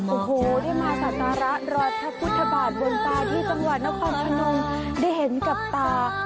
โอ้โหได้มาสักการะรอพระพุทธบาทบนตาที่จังหวัดนครพนมได้เห็นกับตา